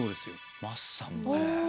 桝さんね。